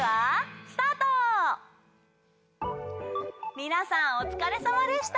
みなさんおつかれさまでした。